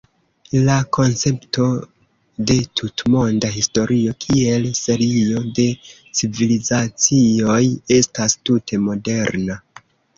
La koncepto de tutmonda historio kiel serio de "civilizacioj" estas tute moderna.